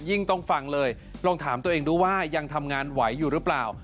ต้องฟังเลยลองถามตัวเองดูว่ายังทำงานไหวอยู่หรือเปล่า